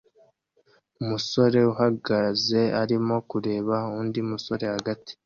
Umusore uhagaze arimo kureba undi musore hagati